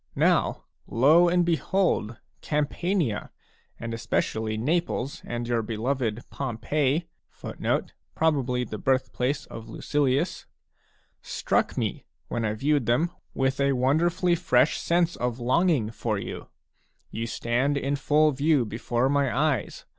Now, lo and behold, Campania, and especially Naples and your beloved Pompeii, a struck me, when I viewed them, with a wonderfully fresh sense of longing for you. You stand in full view before my eyes.